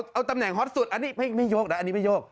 เอาตำแหน่งฮอตสุดอันนี้ไม่โยกนะอันนี้ไม่โยก